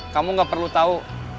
kamu gak perlu tau